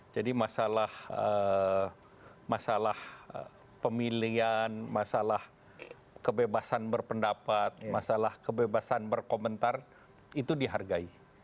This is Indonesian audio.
jadi masalah pemilihan masalah kebebasan berpendapat masalah kebebasan berkomentar itu dihargai